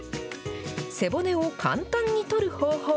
背骨を簡単に取る方法。